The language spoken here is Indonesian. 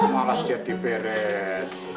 malas jadi beresin toh